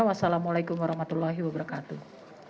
wassalamu'alaikum warahmatullahi wabarakatuh